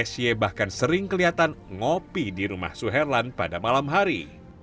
sy bahkan sering kelihatan ngopi di rumah suherlan pada malam hari